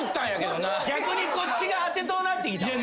逆にこっちが当てとうなってきたわ。